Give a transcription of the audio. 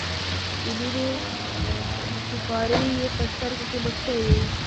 د مینې سېپارې یې په سترګو کې موسکۍ وې.